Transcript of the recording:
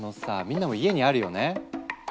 みんなも家にあるよね？